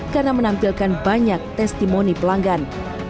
karena menampilkan banyak testimoni pelanggan